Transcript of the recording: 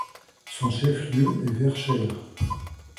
Son chef-lieu est Verchères.